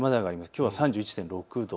きょうは３１．６度。